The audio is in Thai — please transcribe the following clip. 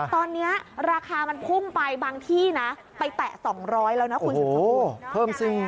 ตอนนี้ราคามันพุ่งไปบางที่นะไปแตะ๒๐๐แล้วนะคุณสุดสกุล